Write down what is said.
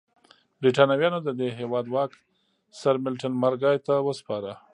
برېټانویانو د دې هېواد واک سرمیلټن مارګای ته وسپاره.